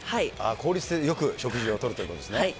効率的でよく食事をとるということですね。